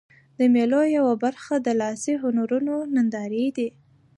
د مېلو یوه برخه د لاسي هنرونو نندارې دي.